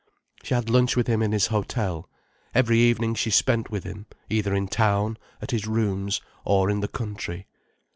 She had lunch with him in his hotel; every evening she spent with him, either in town, at his rooms, or in the country.